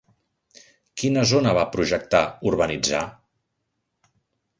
Quina zona va projectar urbanitzar?